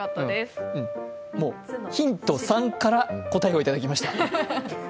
ヒント３から答えいただきました。